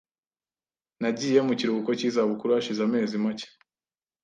Nagiye mu kiruhuko cy'izabukuru hashize amezi make .